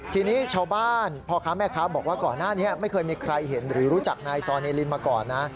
ทีนี้ชาวบ้านพ่อค้าแม่ค้าบอกว่าก่อนหน้านี้ไม่เคยมีใครเห็นหรือรู้จักนายซอเนลินมาก่อนนะ